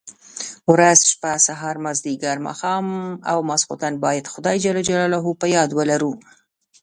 ورځ، شپه، سهار، ماځيګر، ماښام او ماخستن بايد خداى جل جلاله په ياد ولرو.